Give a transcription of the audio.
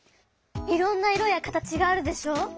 いろんな色や形があるでしょ。